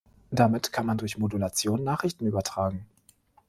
Damit kann man durch Modulation Nachrichten übertragen.